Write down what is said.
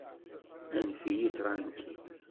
Anef-iyi ṭṛankil!